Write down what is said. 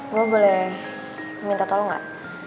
gue boleh minta tolong gak